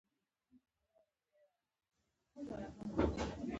هغه غلط راوخېژي نو ته به څه وکې.